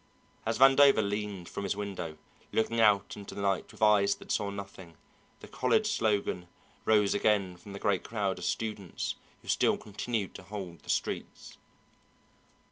As Vandover leaned from his window, looking out into the night with eyes that saw nothing, the college slogan rose again from the great crowd of students who still continued to hold the streets.